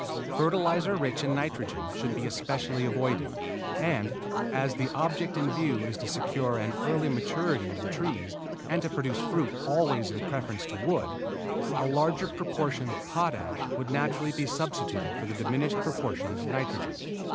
Fertilizer rich in nitrogen should be especially avoided, and, as the object in view is to secure an early maturity of the tree and to produce fruit always in preference to wood, a larger proportion of potash would naturally be substituted for the diminished proportion of nitrogen.